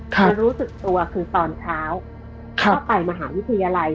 มารู้สึกตัวคือตอนเช้าก็ไปมหาวิทยาลัย